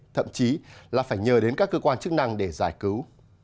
thậm chí là phải nhờ đến các cơ quan chức năng để giải cứu